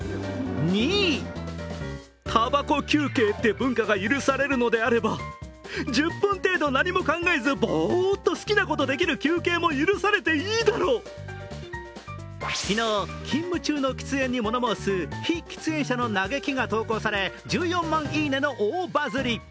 タバコ休憩って文化が許されるのであれば１０分程度何も考えず、ぼーっと好きなことができる休憩も昨日、勤務中の喫煙に物申す非喫煙者の嘆きが投稿され１４万「いいね」の大バズり。